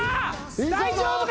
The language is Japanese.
大丈夫か？